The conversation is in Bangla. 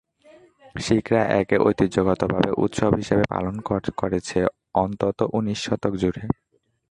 শিখরা একে ঐতিহ্যগতভাবে উৎসব হিসেবে পালন করেছে, অন্তত উনিশ শতক জুড়ে।